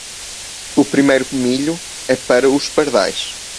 O primeiro milho é para os pardais.